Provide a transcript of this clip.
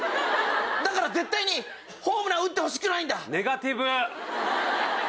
だから絶対にホームランを打ってほしくないんだ。ネガティブ。